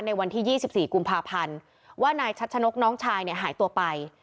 ในวันที่๒๔กุพว่านายชัชชะนกน้องชายหายตัวไป